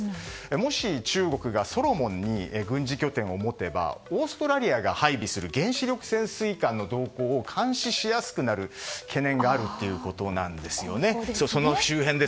もし中国がソロモンに軍事拠点を持てばオーストラリアが配備する原子力潜水艦の動向を監視しやすくなる懸念があるということなんです。